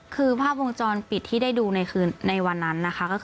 คือภาพวงจรปิดที่ได้ดูในวันนั้นนะคะ